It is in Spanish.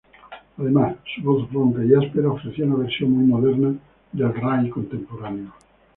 Además, su voz ronca y áspera ofrecía una versión muy moderna del raï contemporáneo.